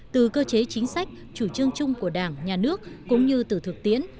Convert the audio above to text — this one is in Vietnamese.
từ cơ chế chính sách chủ trương chung của đảng nhà nước cũng như từ thực tiễn